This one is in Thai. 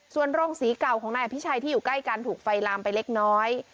ส่วนโรงศรีเก่าของนายอภิชัยที่อยู่ใกล้กันถูกไฟลามไปเล็กน้อย